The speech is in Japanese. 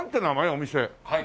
お店。